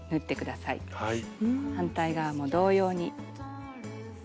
反対側も同様に。